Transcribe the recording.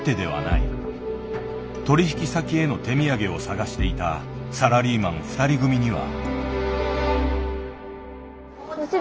取引先への手土産を探していたサラリーマン２人組には。